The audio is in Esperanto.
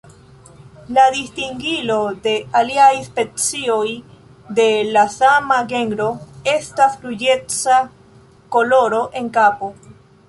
La distingilo de aliaj specioj de la sama genro estas ruĝeca koloro en kapo.